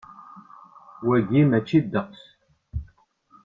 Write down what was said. Wagi mačči ddeqs.